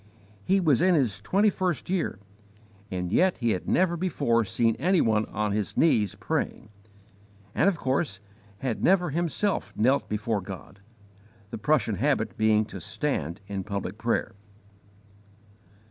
He was in his twenty first year, and yet he had never before seen any one on his knees praying, and of course had never himself knelt before God, the Prussian habit being to stand in public prayer.